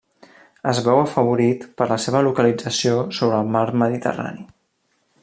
Es veu afavorit per la seva localització sobre el Mar Mediterrani.